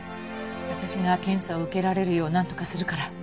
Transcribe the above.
私が検査を受けられるようなんとかするから。